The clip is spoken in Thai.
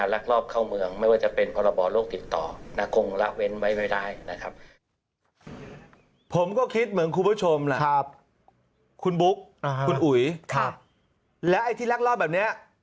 และก็ผมย่ำ